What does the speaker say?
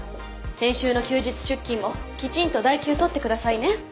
先週の休日出勤もきちんと代休取って下さいね。